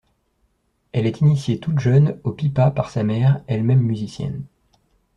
Elle est initiée toute jeune au pipa par sa mère, elle-même musicienne.